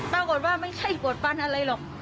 ปรากฏว่าไม่ใช่ปวดฟันอะไรหรอก